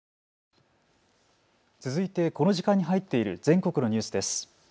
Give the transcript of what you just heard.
続いてこの時間に入っている全国のニュースです。